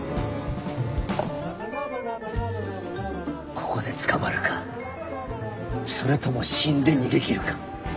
ここで捕まるかそれとも死んで逃げきるか。